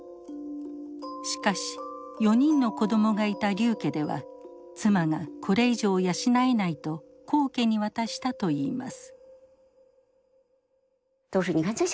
しかし４人の子どもがいた劉家では妻がこれ以上養えないと黄家に渡したといいます。